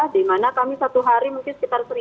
di mana kami satu hari mungkin sekitar